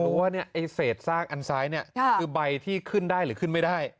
แต่อยากรู้ว่าเนี่ยเสร็จสร้างอันซ้ายเนี่ยคือใบที่ขึ้นได้หรือขึ้นไม่ได้